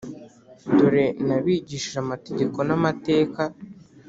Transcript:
Dore nabigishije amategeko n’amateka